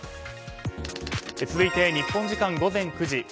続いて日本時間午前９時。